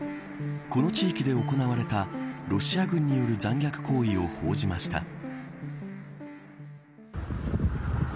この地域で行われたロシア軍による残虐行為を報じました。